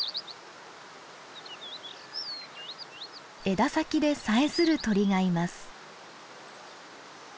枝先でさえずる鳥がいます。